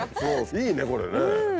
いいねこれね。